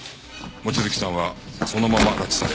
望月さんはそのまま拉致され。